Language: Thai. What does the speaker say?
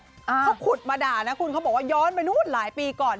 เขาขุดมาด่านะคุณเขาบอกว่าย้อนไปนู่นหลายปีก่อน